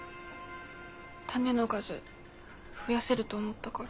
タネの数増やせると思ったから。